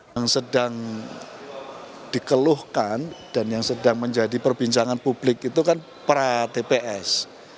yang sedang dikeluhkan dan yang sedang menjadi perbincangan publik itu kan pra tps